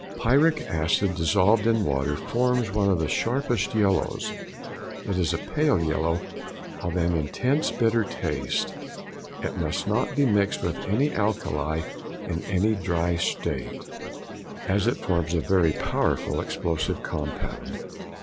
Picric acid dissolved in water forms one of the sharpest yellows. It is a pale yellow of an intense bitter taste. It must not be mixed with any alkali in a dry state, as it forms a very powerful explosive compound.